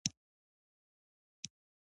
اوبه د ژمي د واورې یوه بڼه ده.